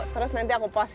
terus nanti aku pos ya